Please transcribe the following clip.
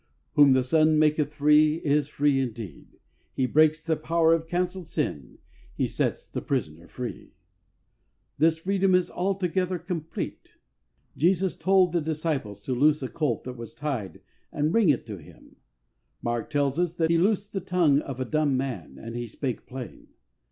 " Whom the Son maketh free is free indeed." " He breaks the power of cancelled sin. He sets the prisoner free." Freldom from sin. 57 This freedom is altogether complete. Jesus told the disciples to loose a colt that was tied and bring it to Him. Mark tells us that He loosed the tongue of a dumb man and he spake plain.